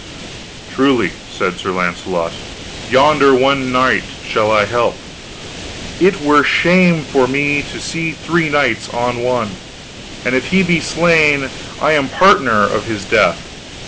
Truly, said Sir Launcelot, yonder one knight shall I help, for it were shame for me to see three knights on one, and if he be slain I am partner of his death.